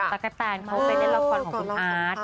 รักแปรงเพราะเป็นละครของคุณอาร์ด